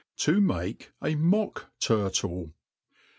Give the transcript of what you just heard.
To make m Mock Turtle.